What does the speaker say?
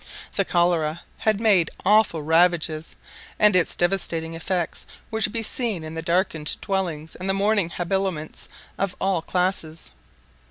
The cholera had made awful ravages, and its devastating effects were to be seen in the darkened dwellings and the mourning habiliments of all classes.